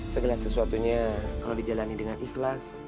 segala sesuatunya kalau dijalani dengan ikhlas